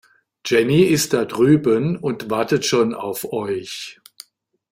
Jenny ist da drüben und wartet schon auf euch.